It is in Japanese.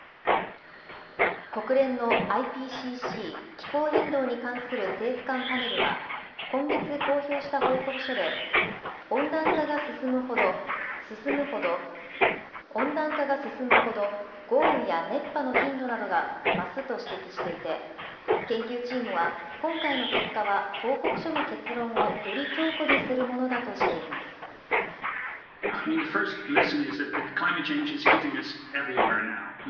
国連のＩＰＣＣ・気候変動に関する政府間パネルは、今月公表した報告書で、温暖化が進むほど豪雨や熱波の頻度などが増すと指摘していて、研究チームは、今回の結果は報告書の結論をより強固にするものだとしています。